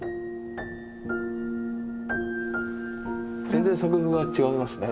全然作風は違いますね。